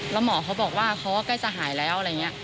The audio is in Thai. แล้วหมอเขาบอกว่าเขาก็ใกล้จะหายแล้วอะไรอย่างนี้